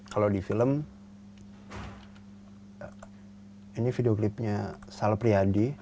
kalau di film ini videoclipnya sal priadi